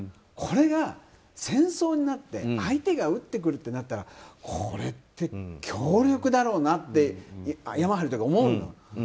これが戦争になって相手が撃ってくるとなったらこれって強力だろうなと山に入る時思うの。